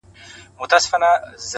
په گلونو کي د چا د خولې خندا ده’